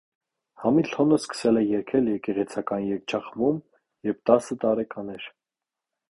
Համիլթոնը սկսել է երգել եկեղեցական երգչախմբում, երբ տասը տարեկան էր։